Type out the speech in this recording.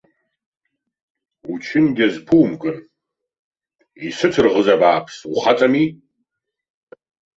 Учынгьы азԥумкын, исыцырӷз абааԥс, ухаҵами.